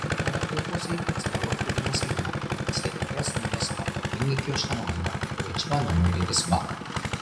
まだ高校生活が終わっておりませんが、文化祭でクラスの皆様と演劇をしたのが今のところ一番の思い出ですわ